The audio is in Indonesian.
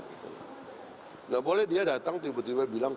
tidak boleh dia datang tiba tiba bilang